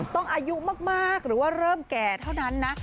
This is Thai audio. อายุมากหรือว่าเริ่มแก่เท่านั้นนะ